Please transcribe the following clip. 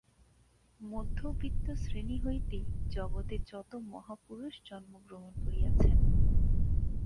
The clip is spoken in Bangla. মধ্যবিত্ত শ্রেণী হইতেই জগতে যত মহাপুরুষ জন্মগ্রহণ করিয়াছেন।